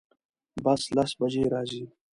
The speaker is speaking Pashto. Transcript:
بس لس بجی راځي